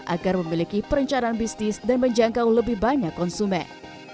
agar memiliki perencanaan bisnis dan menjangkau lebih banyak konsumen